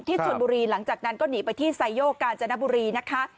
ชนบุรีหลังจากนั้นก็หนีไปที่ไซโยกกาญจนบุรีนะคะ